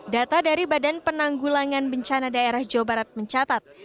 data dari badan penanggulangan bencana daerah jawa barat mencatat